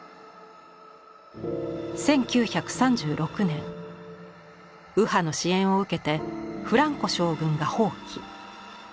１９３６年右派の支援を受けてフランコ将軍が蜂起。